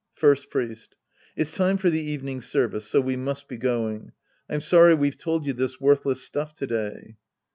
First Priest. It's time for the evening service, so we must be going. I'm sorry we've told you tlois worthless stuff to day.